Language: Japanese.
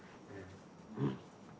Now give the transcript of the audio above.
うん。